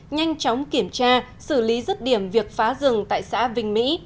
nhanh chóng kiểm tra xử lý rứt điểm việc phá rừng tại xã vinh mỹ